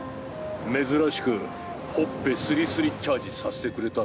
珍しくほっぺスリスリチャージさせてくれたんだよ。